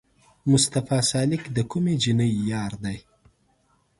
مصطفی سالک د کومې جینۍ یار دی؟